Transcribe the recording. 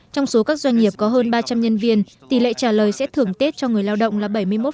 trong số các doanh nghiệp có hơn ba trăm linh nhân viên tỷ lệ trả lời sẽ thưởng tết cho người lao động là bảy mươi một